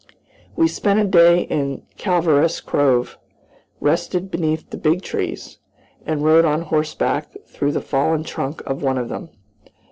We spent a day in the Calaveras Grove, rested beneath the "big trees," and rode on horseback through the fallen trunk of one of them.